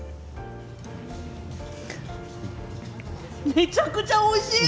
めちゃくちゃおいしい。